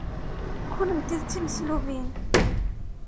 Kennemti d timeslubin.